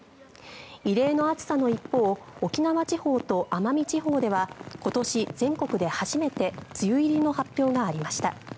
異例の暑さの一方沖縄地方と奄美地方では今年、全国で初めて梅雨入りの発表がありました。